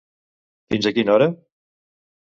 Fins a quina hora?